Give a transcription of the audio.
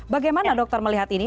bagaimana dokter melihat ini